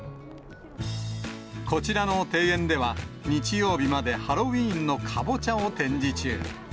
こちらの庭園では、日曜日までハロウィーンのカボチャを展示中。